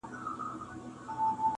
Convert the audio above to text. زما په غم کي تر قيامته به ژړيږي!.